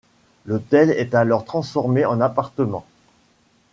L'hôtel est alors transformé en appartements.